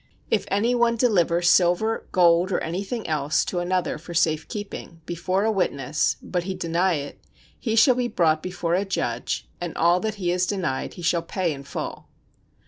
If any one deliver silver, gold or anything else to another for safe keeping, before a witness, but he deny it, he shall be brought before a judge, and all that he has denied he shall pay in full.